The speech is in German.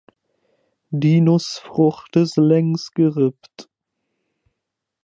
Die Nussfrucht ist längs gerippt.